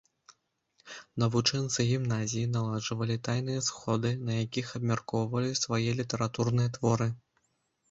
Навучэнцы гімназіі наладжвалі тайныя сходы, на якіх абмяркоўвалі свае літаратурныя творы.